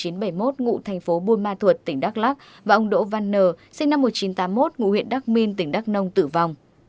ngụ thành phố buôn ma thuột tỉnh đắk lắc và ông đỗ văn n sinh năm một nghìn chín trăm tám mươi một ngụ huyện đắc minh tỉnh đắk nông tử vong